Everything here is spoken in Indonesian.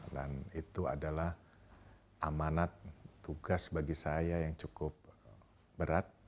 dan itu adalah amanat tugas bagi saya yang cukup berat